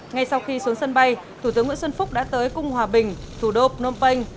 ngay sau khi xuống sân bay thủ tướng nguyễn xuân phúc đã tới cung hòa bình thủ đô phnom penh